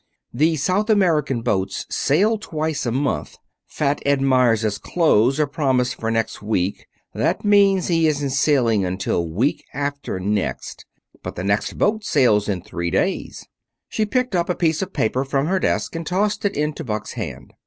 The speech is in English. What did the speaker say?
The South American boats sail twice a month. Fat Ed Meyers' clothes are promised for next week. That means he isn't sailing until week after next. But the next boat sails in three days." She picked up a piece of paper from her desk and tossed it into Buck's hand.